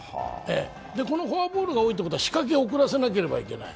このフォアボールが多いということは仕掛けを遅らせなければならない。